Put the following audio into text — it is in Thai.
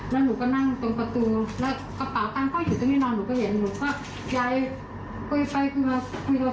แล้วหนูก็นั่งตรงประตูแล้วกระเป๋าตังค์เขาอยู่ตรงที่นอน